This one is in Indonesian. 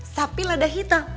sapi lada hitam